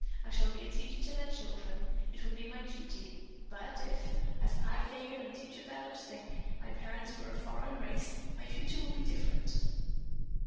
I shall be a teacher to their children. It will be my duty. But if, as Pa Heger and Teacher Bellows think, my parents were of a foreign race, my future will be different."